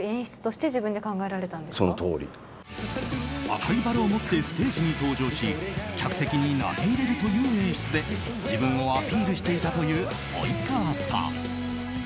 赤いバラを持ってステージの登場し客席に投げ入れるという演出で自分をアピールしていたという及川さん。